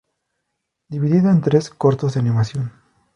Dividido en tres cortos de animación.